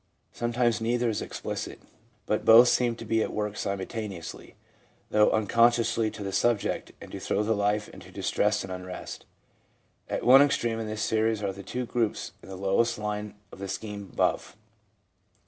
Sometimes neither is explicit, but both seem to be at work simultaneously, though unconsciously to the subject, and to throw the life into distress and unrest. At one extreme in this series are the groups in the lowest line of the scheme above.